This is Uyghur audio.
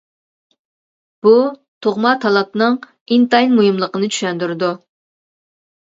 بۇ تۇغما تالانتنىڭ ئىنتايىن مۇھىملىقىنى چۈشەندۈرىدۇ.